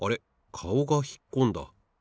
かおがひっこんだ。